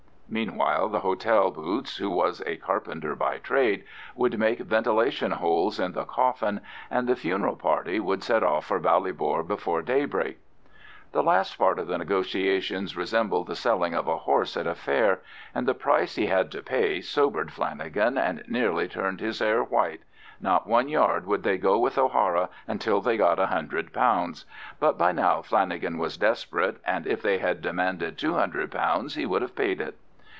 Meanwhile the hotel boots, who was a carpenter by trade, would make ventilation holes in the coffin, and the "funeral" party would set off for Ballybor before daybreak. The last part of the negotiations resembled the selling of a horse at a fair, and the price he had to pay sobered Flanagan and nearly turned his hair white,—not one yard would they go with O'Hara until they got £100; but by now Flanagan was desperate, and if they had demanded £200 he would have paid it.